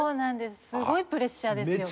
すごいプレッシャーですよね。